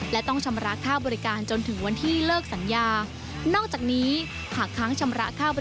และต้องชำระค่าบริการจนถึงวันที่เลิกสัญญา